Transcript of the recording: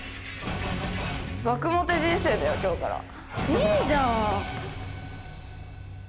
いいじゃん！